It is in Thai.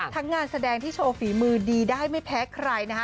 งานแสดงที่โชว์ฝีมือดีได้ไม่แพ้ใครนะฮะ